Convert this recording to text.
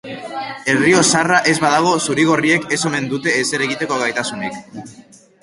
Errioxarra ez badago zuri-gorriek ez omen dute ezer egiteko gaitasunik.